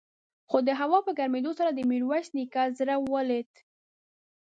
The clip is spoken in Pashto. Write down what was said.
خو د هوا په ګرمېدو سره د ميرويس نيکه زړه ولوېد.